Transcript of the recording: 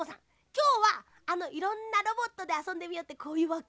きょうはあのいろんなロボットであそんでみようってこういうわけ？